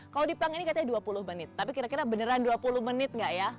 kalau dipang ini katanya dua puluh menit tapi kira kira beneran dua puluh menit gak ya